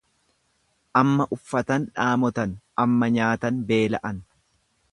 Amma uffatan dhaamotan, amma nyaatan beela'an.